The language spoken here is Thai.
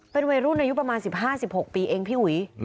เป็นวัยรุ่นอายุประมาณ๑๕๑๖ปีเองพี่อุ๋ย